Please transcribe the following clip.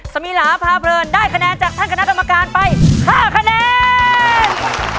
สมิลาพาเพลินได้คะแนนจากท่านคณะกรรมการไป๕คะแนน